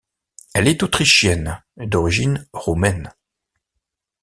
Elle est autrichienne d'origine roumaine.